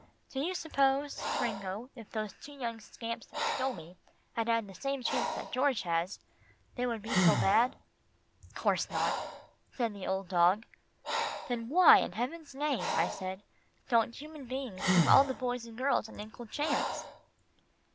Do you suppose, Gringo, if those two young scamps that stole me had had the same chance that George has, they would be so bad?" "'Course not," said the old dog. "Then why in heaven's name," I said, "don't human beings give all the boys and girls an equal chance?"